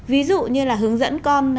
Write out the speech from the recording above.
ví dụ như là hướng dẫn con